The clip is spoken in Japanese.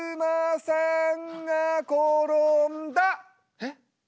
えっ。